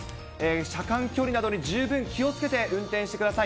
車間距離などに十分気をつけて運転してください。